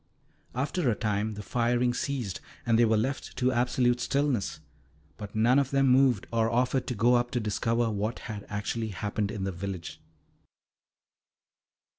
After a time the firing ceased, and they were left to absolute stillness. But none of them moved, or offered to go up to discover what had actually happened in the village.